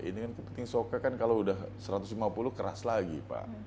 ini kan kepiting soka kalau sudah satu ratus lima puluh keras lagi pak